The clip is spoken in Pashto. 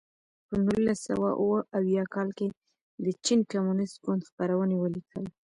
په نولس سوه اووه اویا کال کې د چین کمونېست ګوند خپرونې ولیکل.